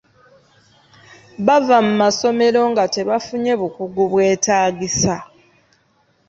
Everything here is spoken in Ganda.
Bava mu masomero nga tebafunye bukugu bwetaagisa.